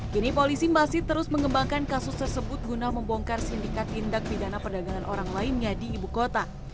kini polisi masih terus mengembangkan kasus tersebut guna membongkar sindikat tindak pidana perdagangan orang lainnya di ibu kota